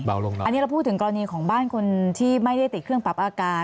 อันนี้เราพูดถึงกรณีของบ้านคนที่ไม่ได้ติดเครื่องปรับอาการ